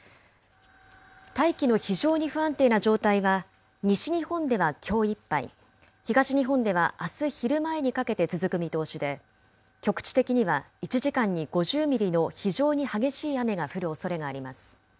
大気の非常に不安定な状態は西日本ではきょういっぱい、東日本ではあす昼前にかけて続く見通しで、局地的には１時間に５０ミリの非常に激しい雨が降るおそれがあります。